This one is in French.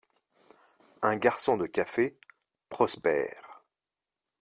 Un garçon de café : Prosper.